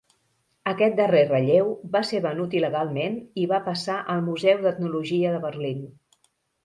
Aquest darrer relleu va ser venut il·legalment i va passar al Museu d'Etnologia de Berlín.